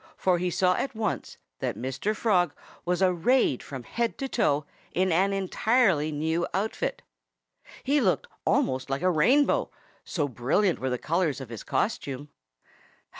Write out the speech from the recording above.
For he saw at once that Mr. Frog was arrayed from head to foot in an entirely new outfit. He looked almost like a rainbow, so brilliant were the colors of his costume.